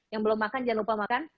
yang belum makan jangan lupa makan